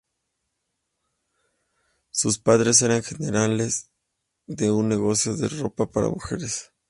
Sus padres eran gerentes de un negocio de ropa para mujeres.